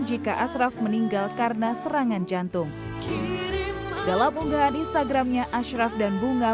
jika ashraf meninggal karena serangan jantung dalam unggahan instagramnya ashraf dan bunga